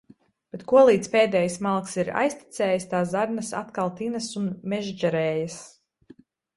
Bet kolīdz pēdējais malks ir aiztecējis, tā zarnas atkal tinas un mežģerējas.